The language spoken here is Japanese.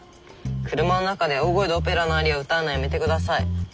車の中で大声でオペラのアリアを歌うのはやめてください。